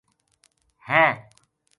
ہے